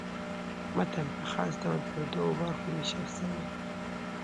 متن په خاص ډول پر دوو برخو وېشل سوی.